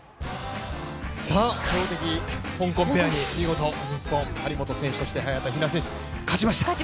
強敵香港ペアに見事、日本の張本選手と早田選手勝ちました。